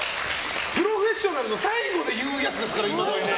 「プロフェッショナル」の最後で言うやつですから。